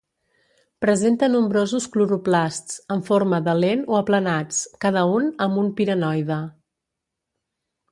Presenta nombrosos cloroplasts en forma de lent o aplanats, cada un amb un pirenoide.